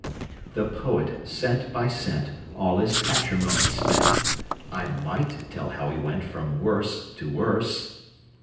The poet, cent by cent, All his patrimony spent (I might tell how he went from werse to werse!)